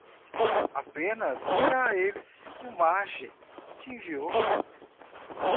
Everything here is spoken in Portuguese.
Apenas diga a eles que Marge te enviou.